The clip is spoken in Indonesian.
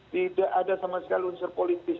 tidak ada sama sekali unsur politis